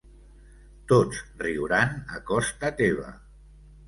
Tots riuran a costa teva.